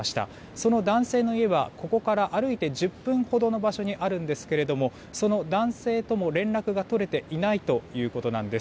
その男性の家はここから歩いて１０分ほどの場所にあるんですがその男性とも連絡が取れていないということです。